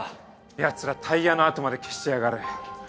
ヤツらタイヤの跡まで消してやがる。